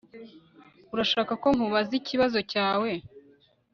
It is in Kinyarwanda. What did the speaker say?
Urashaka ko nkubaza ikibazo cyawe